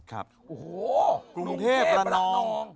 กรุงเทพรนอง